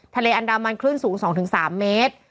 ทะเลอันดามันคลื่นสูง๒๓เมตร